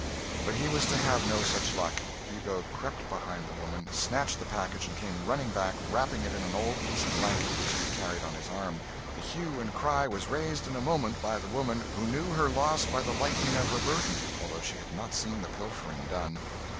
But he was to have no such luck. Hugo crept behind the woman, snatched the package, and came running back, wrapping it in an old piece of blanket which he carried on his arm. The hue and cry was raised in a moment, by the woman, who knew her loss by the lightening of her burden, although she had not seen the pilfering done.